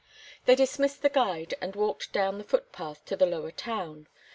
They dismissed the guide and walked down the foot path to the lower town.